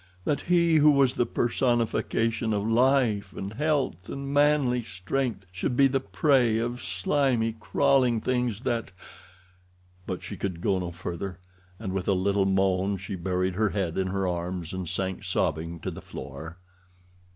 That he who was the personification of life and health and manly strength should be the prey of slimy, crawling things, that—" But she could go no further, and with a little moan she buried her head in her arms, and sank sobbing to the floor.